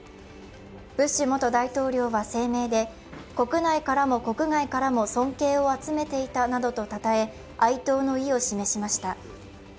ブッシュ元大統領は声明で国内からも国外からも尊敬を集めていたなどとたたえ、哀悼の意を示しました。